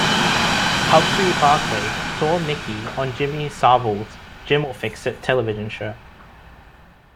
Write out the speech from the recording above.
Humphrey Barclay saw Mickey on Jimmy Savile's 'Jim'll Fix It' television show.